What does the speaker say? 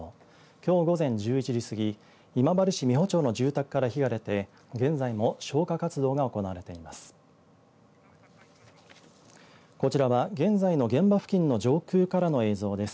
きょう午前１１時過ぎ今治市美保町の住宅から火が出て現在も消火活動が行われています。